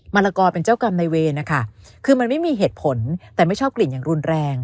รกรเป็นเจ้ากรรมในเวรนะคะคือมันไม่มีเหตุผลแต่ไม่ชอบกลิ่นอย่างรุนแรง